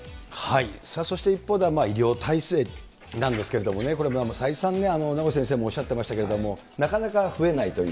そして一方では、また、医療体制なんですけれどもね、これ、再三、名越先生もおっしゃってましたけど、なかなか増えないという。